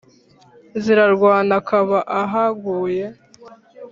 zirarwana akaba ahaguye